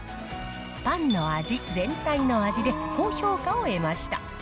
パンの味、全体の味で高評価を得ました。